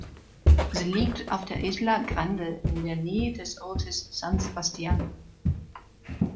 Sie liegt auf der Isla Grande in der Nähe des Ortes San Sebastián.